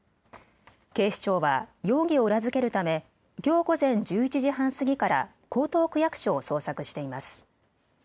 警視庁は容疑を裏付けるためきょう午前１１時半過ぎから江東区役所を捜索しています。